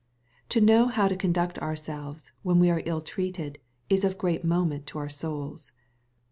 To know how to conduct ourselves, when we are ill treated, is of great moment to our souls.